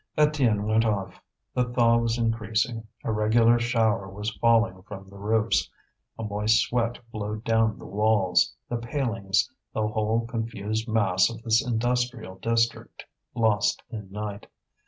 Étienne went off. The thaw was increasing; a regular shower was falling from the roofs, a moist sweat flowed down the walls, the palings, the whole confused mass of this industrial district lost in night.